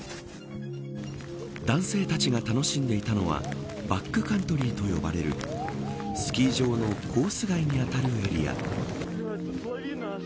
男性たちが楽しんでいたのはバックカントリーと呼ばれるスキー場のコース外にあたるエリア。